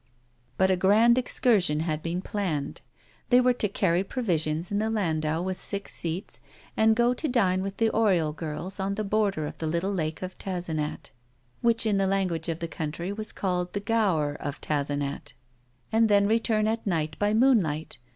But a grand excursion had been planned. They were to carry provisions in the landau with six seats, and go to dine with the Oriol girls on the border of the little lake of Tazenat, which in the language of the country was called the "gour" of Tazenat, and then return at night by moonlight.